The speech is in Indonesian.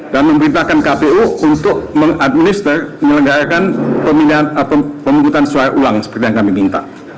dan memberitakan kpu untuk mengadminister melenggarakan pemilihan atau pemungkutan suara ulang seperti yang kami minta